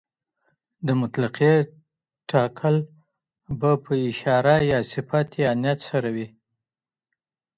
د مطلقې ټاکل به په اشاره، يا صفت يا نيت سره وي.